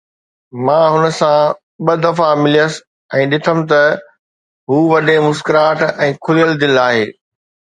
مان هن سان ٻه دفعا مليس ۽ ڏٺم ته هو وڏي مسڪراهٽ ۽ کليل دل آهي.